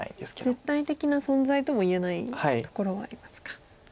絶対的な存在ともいえないところはありますか。